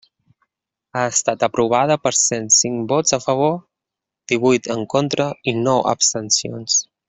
Ha estat aprovada per cent cinc vots a favor, divuit en contra i nou abstencions.